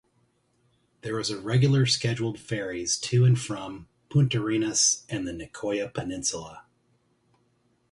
There is a regular scheduled ferries to and from Puntarenas and the Nicoya Peninsula.